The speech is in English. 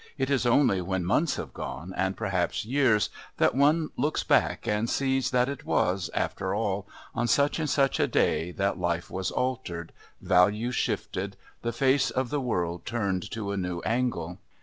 it is only when months have gone, and perhaps years, that one looks back and sees that it was, after all, on such and such a day that life was altered, values shifted, the face of the world turned to a new angle.